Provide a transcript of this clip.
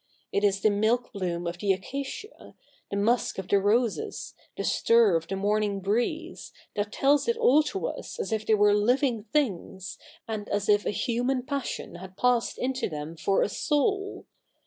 It is the milk bloom of the acacia, the musk of the roses, the stir of the morning breeze, that tells it 'all to us as if they were living things, and as if a human passion had passed into them for a soul.